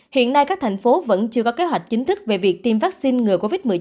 hiện nay các thành phố vẫn chưa có kế hoạch chính thức về việc tiêm vaccine ngừa covid một mươi chín